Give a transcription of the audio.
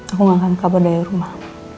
aku gak akan kabar dari rumah